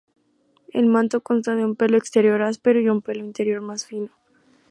El manto consta de un pelo exterior áspero y un pelo interior más fino.